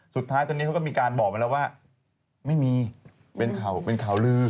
สุดท้ายตอนนี้เขาก็มีการบอกมาแล้วว่าไม่มีเป็นข่าวลือ